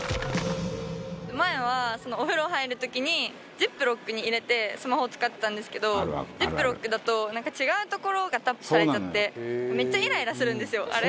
ジップロックに入れてスマホ使ってたんですけどジップロックだと違う所がタップされちゃってめっちゃイライラするんですよあれ。